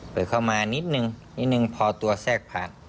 เปิดเข้ามานิดนึงนิดนึงพอตัวแทรกผ่าน